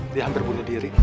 dia hampir bunuh diri